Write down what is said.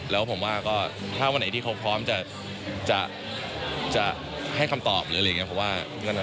แล้วผมว่าก็ถ้าวันไหนที่เขาพร้อมจะให้คำตอบหรืออะไรอย่างนี้